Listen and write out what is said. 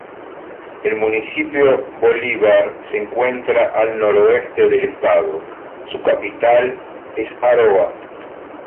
El Municipio Bolívar se encuentra al noroeste del Estado, su capital es Aroa.